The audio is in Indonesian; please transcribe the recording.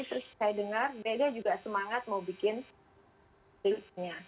terus saya dengar dia juga semangat mau bikin klipnya